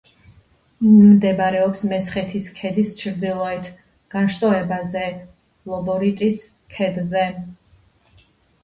მდებარეობს მესხეთის ქედის ჩრდილოეთ განშტოებაზე, ლობოროტის ქედზე.